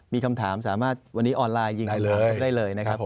มีคำถามสามารถวันนี้ออนไลน์ยิงได้เลยนะครับ